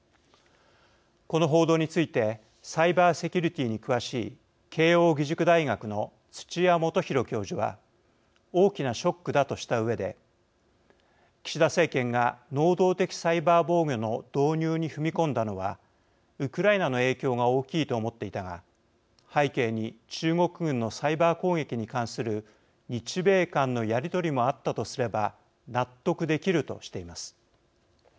この報道についてサイバーセキュリティーに詳しい慶應義塾大学の土屋大洋教授は大きなショックだとしたうえで岸田政権が能動的サイバー防御の導入に踏み込んだのはウクライナの影響が大きいと思っていたが背景に中国軍のサイバー攻撃に関する日米間のやり取りもあったとすれば納得できるとしています。